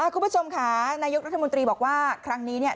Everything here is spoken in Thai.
คุณผู้ชมค่ะนายกรัฐมนตรีบอกว่าครั้งนี้เนี่ย